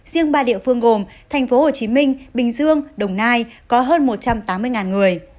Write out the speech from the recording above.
riêng ba địa phương gồm thành phố hồ chí minh bình dương đồng nai có hơn một trăm tám mươi người